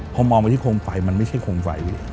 พอมองไปที่โคมไฟมันไม่ใช่โคมไฟ